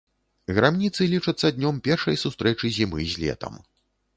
Грамніцы лічацца днём першай сустрэчы зімы з летам.